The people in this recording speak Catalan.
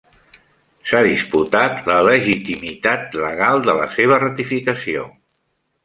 S'ha disputat la legitimitat legal de la seva ratificació.